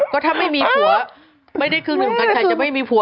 ก็ถ้าไม่มีผัวไม่ได้ครึ่งหนึ่งกันใครจะไม่มีผัว